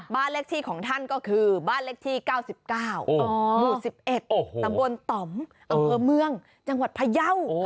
บ้านเลขที่ของท่านก็คือบ้านเลขที่๙๙หมู่๑๑ตำบลต่อมอำเภอเมืองจังหวัดพยาว